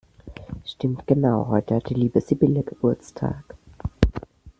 Stimmt genau, heute hat die liebe Sibylle Geburtstag!